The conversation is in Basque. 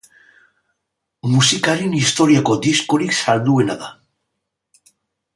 Musikaren historiako diskorik salduena da.